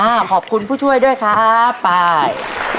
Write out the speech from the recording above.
ขอบคุณผู้ช่วยด้วยครับไป